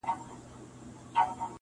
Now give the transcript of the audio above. څوك به ژاړي په كېږديو كي نكلونه-